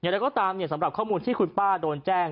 เราก็ตามสำหรับข้อมูลที่คุณป้าโดนแจ้ง